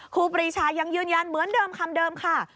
ครูปรีชายังยืนยันเหมือนคำเดิมค่ะ